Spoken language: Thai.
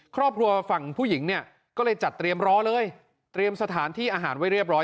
ครอบครัวฝั่งผู้หญิงเนี่ยก็เลยจัดเตรียมรอเลยเตรียมสถานที่อาหารไว้เรียบร้อย